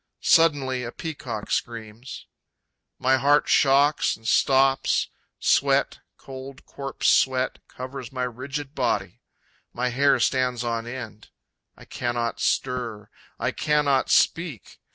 Suddenly a peacock screams. My heart shocks and stops; Sweat, cold corpse sweat Covers my rigid body. My hair stands on end. I cannot stir. I cannot speak.